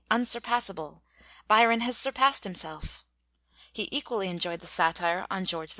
"Unsurpassable!" "Byron has surpassed himself." He equally enjoyed the satire on George IV.